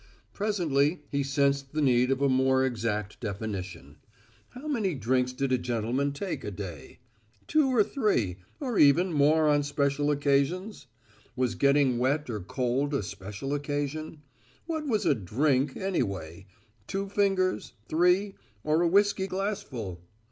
Presently he sensed the need of a more exact definition. How many drinks did a gentleman take a day? Two or three, or even more on special occasions? Was getting wet or cold a special occasion? What was a "drink" anyway two fingers, three, or a whiskey glassful?